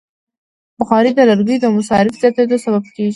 بخاري د لرګیو د مصرف زیاتیدو سبب کېږي.